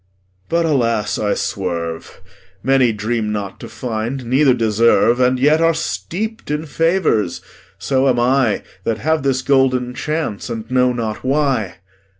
But, alas, I swerve; Many dream not to find, neither deserve, And yet are steep'd in favours; so am I, That have this golden chance, and know not why.